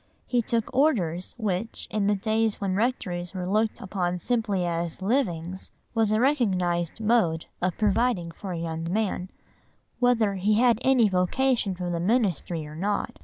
He took Orders which, in the days when rectories were looked upon simply as "livings," was a recognised mode of providing for a young man, whether he had any vocation for the ministry or not.